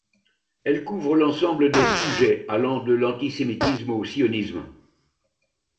Elle couvre l'ensemble des sujets, allant de l'antisémitisme au sionisme.